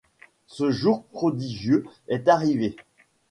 Ce jour prodigieux est arrivé.